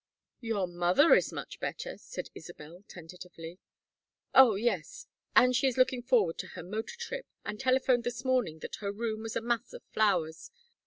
"Your mother is much better," said Isabel, tentatively. "Oh yes, and she is looking forward to her motor trip, and telephoned this morning that her room was a mass of flowers.